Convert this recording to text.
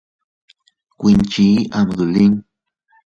Kuinchi am dolin.